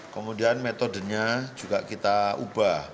kemudian metodenya juga kita ubah